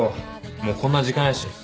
もうこんな時間やし。